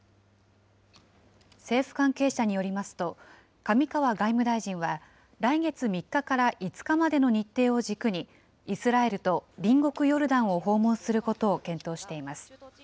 政府関係者によりますと、上川外務大臣は来月３日から５日までの日程を軸に、イスラエルと隣国ヨルダンを訪問することを検討しています。